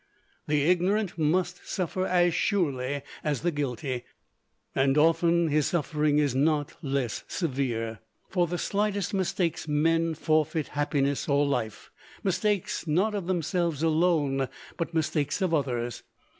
The ignorant must suffer as surely as the guilty, and often his suffering is not less severe. For the slightest mistakes men forfeit happiness or life, mistakes not of themselves alone, but mistakes of others.